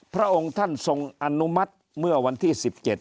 พระองค์ท่านทรงอนุมัติเมื่อวันที่๑๗